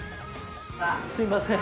すみません。